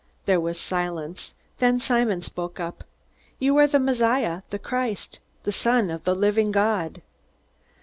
There was silence. Then Simon spoke up: "You are the Messiah the Christ the Son of the living God!"